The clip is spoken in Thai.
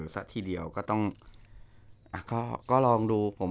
สักทีเดียวก็ต้อง